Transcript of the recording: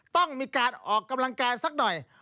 ต้องมีการออกกำลังกายสักหน่อย